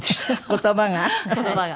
言葉が。